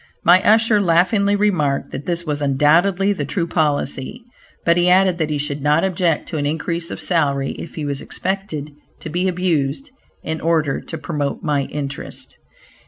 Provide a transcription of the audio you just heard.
My usher laughingly remarked, that this was undoubtedly the true policy; but he added that he should not object to an increase of salary if he was expected to be abused in order to promote my interest.